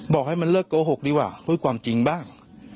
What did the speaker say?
บอกให้มันเลิกโกหกดีกว่าพูดความจริงบ้าง